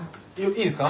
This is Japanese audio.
いいですか？